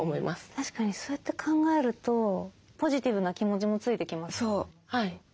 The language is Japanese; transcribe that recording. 確かにそうやって考えるとポジティブな気持ちもついてきます。